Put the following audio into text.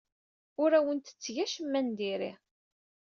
Ur awen-tetteg acemma n diri.